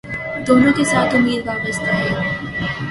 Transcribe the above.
دونوں کے ساتھ امید وابستہ ہے